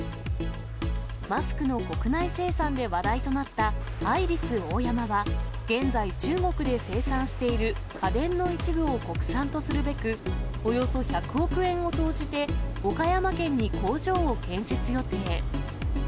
マスクの国内生産で話題となったアイリスオーヤマは、現在、中国で生産している家電の一部を国産とするべく、およそ１００億円を投じて、岡山県に工場を建設予定。